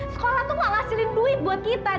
sekolah tuh gak ngasilin duit buat kita deh